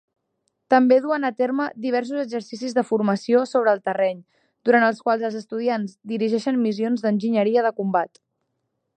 També duen a terme diversos exercicis de formació sobre el terreny, durant els quals els estudiants dirigeixen missions d'enginyeria de combat.